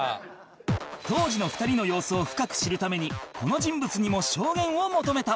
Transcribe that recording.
当時の２人の様子を深く知るためにこの人物にも証言を求めた